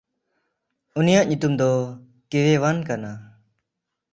ᱩᱱᱤᱭᱟᱜ ᱧᱩᱛᱩᱢ ᱫᱚ ᱠᱤᱣᱮᱶᱟᱱ ᱠᱟᱱᱟ᱾